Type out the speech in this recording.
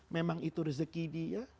memang itu rezeki dia